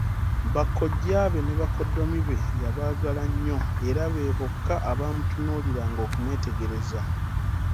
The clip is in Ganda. Bakojjaabe ne bakoddomi be yabaagala nnyo era be bokka abaamutunuuliranga okumwetegereza.